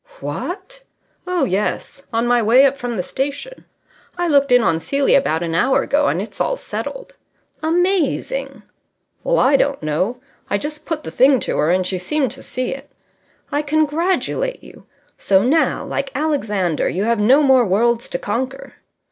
"What!" "Oh, yes. On my way up from the station. I looked in on Celia about an hour ago, and it's all settled." "Amazing!" "Well, I don't know. I just put the thing to her, and she seemed to see it." "I congratulate you. So now, like Alexander, you have no more worlds to conquer."